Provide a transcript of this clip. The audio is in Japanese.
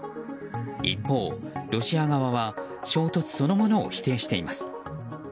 一方、ロシア側は衝突そのものを否定しています。